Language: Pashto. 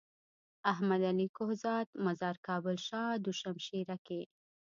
احمد علي کهزاد مزار کابل شاه دو شمشيره کي۔